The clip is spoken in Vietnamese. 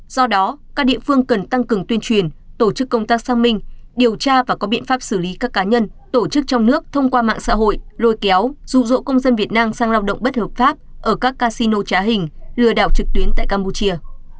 do đó các địa phương cần tăng cường tuyên truyền tổ chức công tác sang minh điều tra và có biện pháp xử lý các cá nhân tổ chức trong nước thông qua mạng xã hội lôi kéo rụ rỗ công dân việt nam sang lao động bất hợp pháp ở các casino trá hình lừa đảo trực tuyến tại campuchia